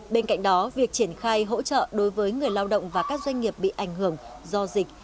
bên cạnh đó việc triển khai hỗ trợ đối với người lao động và các doanh nghiệp bị ảnh hưởng do dịch